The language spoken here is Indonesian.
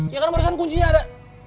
ya kan barusan kuncinya ada